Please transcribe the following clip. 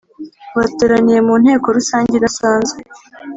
bateraniye mu Nteko Rusange Idasanzwe